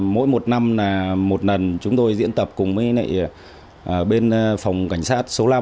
mỗi một năm một lần chúng tôi diễn tập cùng với bên phòng cảnh sát số năm